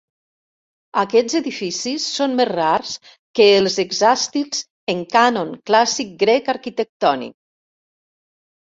Aquests edificis són més rars que els hexàstils en cànon clàssic grec arquitectònic.